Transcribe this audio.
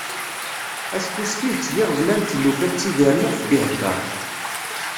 Acku s tidet d iɣeblan d tlufa ttidiren iɣef d-iheddeṛ.